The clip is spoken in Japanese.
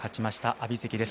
阿炎関です。